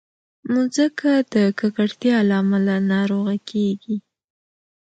مځکه د ککړتیا له امله ناروغه کېږي.